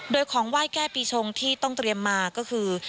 โดยของไหว้แก้ปีชงที่ต้องเตรียมมาก็คือ